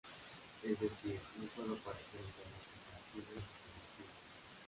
Es decir, no pueden aparecer en grado comparativo ni superlativo.